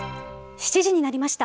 ７時になりました。